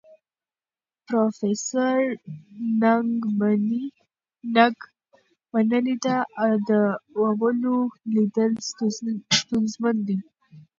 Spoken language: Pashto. پروفیسور نګ منلې ده، د اولو لیدل ستونزمن دي.